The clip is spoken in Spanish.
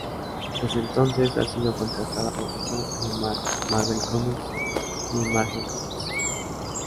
Desde entonces, ha sido contratada por Young Animal, Marvel Comics, y Image Comics.